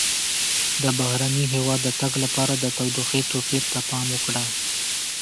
د بهرني هېواد د تګ لپاره د تودوخې توپیر ته پام وکړه.